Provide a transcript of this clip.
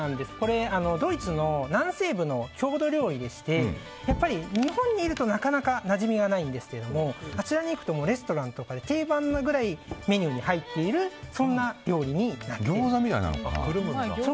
ドイツの南西部の郷土料理でして日本にいるとなかなかなじみがないんですけどもあちらに行くとレストランとかで定番なくらいメニューに入っている料理になっています。